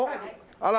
あら！